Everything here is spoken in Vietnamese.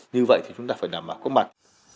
như vậy thì chúng ta phải nằm ở có mặt